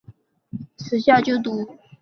中国大陆许多知名艺人曾在此校就读。